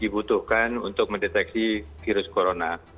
dibutuhkan untuk mendeteksi virus corona